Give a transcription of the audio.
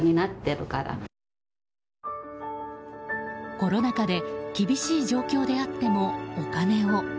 コロナ禍で厳しい状況であってもお金を。